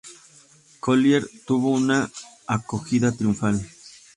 Collier tuvo una acogida triunfal.